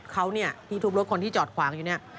จะจอดขวางอยู่เนี่ย